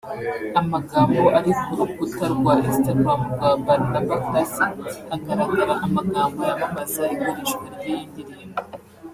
Amagambo ari kurukuta rwa Instagram rwa Barnaba Classic hagaragara amagambo yamamaza igurishwa ry'iyi ndirimbo